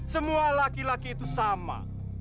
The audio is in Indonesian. semua laki laki itu sama